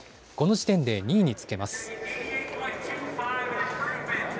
この時点で２位につけます。